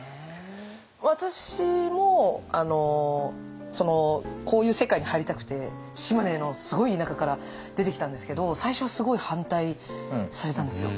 私もこういう世界に入りたくて島根のすごい田舎から出てきたんですけど最初はすごい反対されたんですよ。